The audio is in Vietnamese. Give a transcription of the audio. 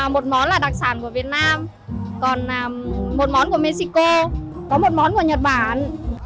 một món là đặc sản của việt nam còn một món của mexico có một món của nhật bản